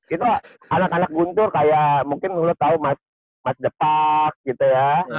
itu anak anak guntur kayak mungkin lo tau mas depak gitu ya